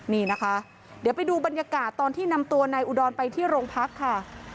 นี่นะคะเดี๋ยวไปดูบรรยากาศตอนที่นำตัวนายอุดรไปที่โรงพักค่ะ